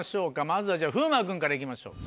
まずはじゃあ風磨君から行きましょう。